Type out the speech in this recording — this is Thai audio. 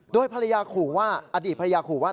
โดยภรรยาขู่ว่าอดีตภรรยาขู่ว่า